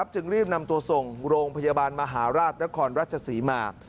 จึงรีบนำตัวส่งโรงพยาบาลมหาราชนครราชศรีมา